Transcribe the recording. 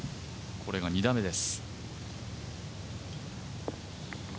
これが２打目です。